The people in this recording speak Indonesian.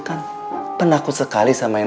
kan penakut sekali sama yang